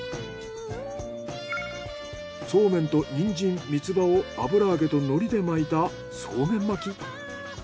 そうめんとニンジンミツバを油揚げと海苔で巻いたそうめん巻き。